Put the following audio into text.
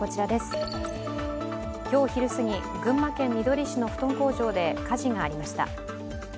今日昼過ぎ、群馬県みどり市の布団工場で火事がありました。